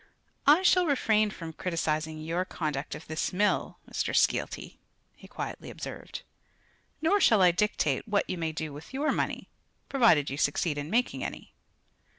"I shall refrain from criticising your conduct of this mill, Mr. Skeelty," he quietly observed, "nor shall I dictate what you may do with your money provided you succeed in making any."